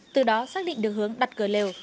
từ đó xác định được hướng đặt cửa lều